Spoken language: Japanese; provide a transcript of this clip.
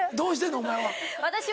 お前は。